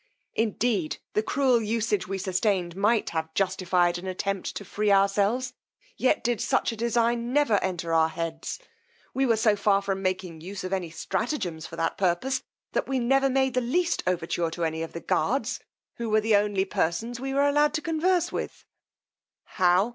Indeed the cruel usage we sustained, might have justified an attempt to free ourselves, yet did such a design never enter our heads: we were so far from making use of any stratagems for that purpose, that we never made the least overture to any of the guards, who were the only persons we were allowed to converse with. How!